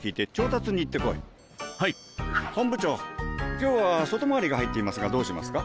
今日は外回りが入っていますがどうしますか？